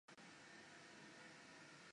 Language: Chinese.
魁地奇是巫师世界中最风行的球赛运动。